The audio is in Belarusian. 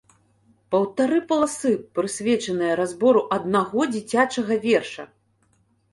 Паўтары паласы, прысвечаныя разбору аднаго дзіцячага верша!